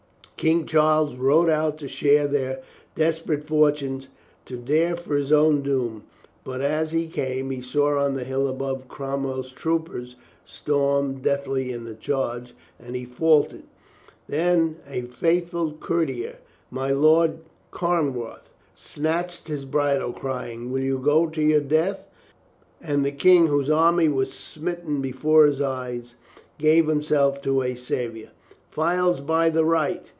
King Charles rode out to share their des perate fortune, to dare for his own doom. But as he came, he saw on the hill above Cromwell's troop ers storm deathly In the charge, and he faltered. Then a faithful courtier, my Lord Carnwath, snatched his bridle, crying, "Will you go to your death?" and the King, whose army was smitten be fore his eyes, gave himself to a savior. "Files by the right!"